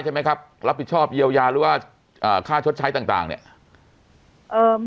ใช่ไหมครับรับผิดชอบเยียวยาหรือว่าอ่าค่าชดใช้ต่างต่างเนี่ยเอ่อ